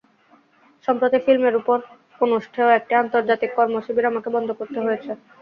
সম্প্রতি ফিল্মের ওপর অনুষ্ঠেয় একটি আন্তর্জাতিক কর্মশিবির আমাকে বন্ধ করতে হয়েছে।